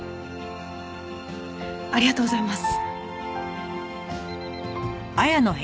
ありがとうございます。